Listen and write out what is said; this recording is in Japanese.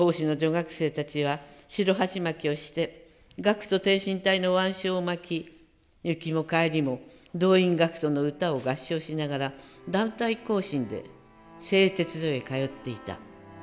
学生たちは白鉢巻をして『学徒挺身隊』の腕章を巻き行きも帰りも『動員学徒の歌』を合唱しながら団体行進で製鉄所へ通っていた。